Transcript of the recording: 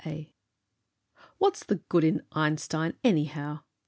] "What's the good in Einstein, anyhow?"